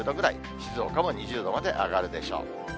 静岡も２０度まで上がるでしょう。